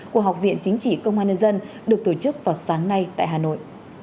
của học viện chính trị công an nhân dân được tổ chức vào sáng nay tại hà nội